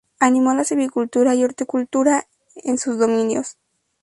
Animó a la silvicultura y horticultura en sus dominios.